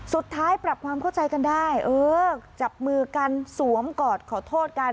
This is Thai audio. สุดท้ายปรับความเข้าใจกันได้เออจับมือกันสวมกอดขอโทษกัน